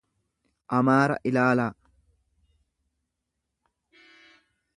Amaaraa ilaalaa.